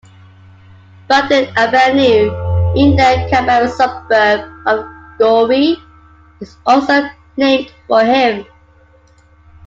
Bugden Avenue in the Canberra suburb of Gowrie is also named for him.